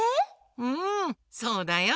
うんそうだよ。